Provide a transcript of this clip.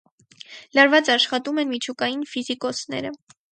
Լարված աշխատում են միջուկային ֆիզիկոսները։